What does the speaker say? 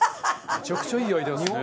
めちゃくちゃいいアイデアですね。